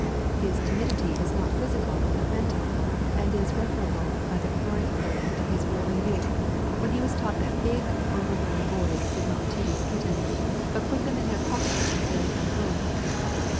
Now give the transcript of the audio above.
His timidity is not physical but mental, and is referable by the Freud theory to his early youth, when he was taught that big, overgrown boys did not tease kittens, but put them in their pockets and carried them home.